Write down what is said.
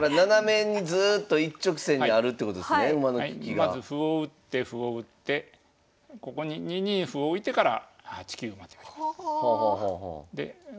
まず歩を打って歩を打ってここに２二歩を置いてから８九馬と寄ります。